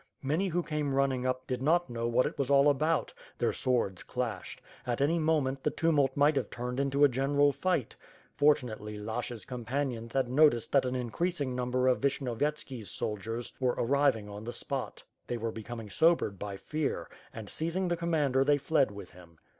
Many who came running up did not know what it was all about. Their swords clashed. At any moment, the tumult might have turned into a general fight. Fortunately Lashch's companions had noticed that an increasing number of Visni ovyetski's soldiers were arriving on the spot. They were be coming sobered by fear, and, seizing the commander they fled with him.